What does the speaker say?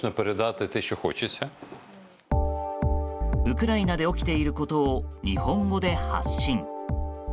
ウクライナで起きていることを日本語で発信。